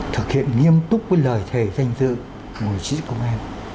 thực hiện nghiêm túc với lời thề danh dự của chiến sĩ công an